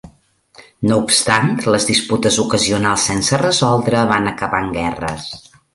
No obstant, les disputes ocasionals sense resoldre van acabar en guerres.